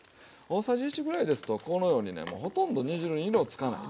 大さじ１ぐらいですとこのようにねもうほとんど煮汁に色つかない。